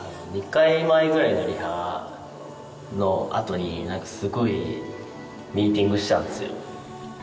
２回前ぐらいのリハのあとに何かすごいミーティングしたんですよ